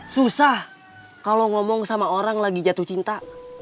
susah kalau ngomong sama orang lagi jatuh cinta